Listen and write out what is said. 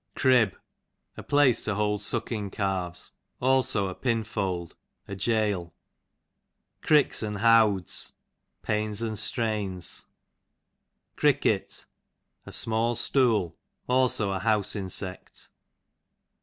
Crib, a place to hold sucking calves ; also a pinfold, a gaol. Cricks an howds, pains d strains. Cricket, a small stool; also a house insect.